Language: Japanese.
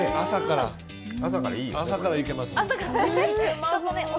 朝からいけますね。